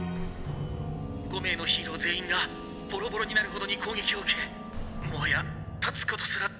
「５名のヒーロー全員がボロボロになるほどに攻撃を受けもはや立つことすらできない」。